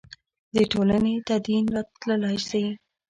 د ټولنې تدین تللای شي.